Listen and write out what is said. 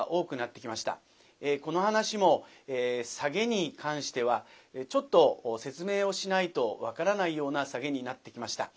この噺もサゲに関してはちょっと説明をしないと分からないようなサゲになってきました。